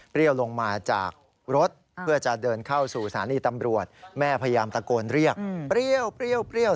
ลงมาจากรถเพื่อจะเดินเข้าสู่สถานีตำรวจแม่พยายามตะโกนเรียกเปรี้ยว